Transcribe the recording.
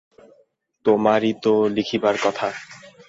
তোমারই তো লিখিবার কথা।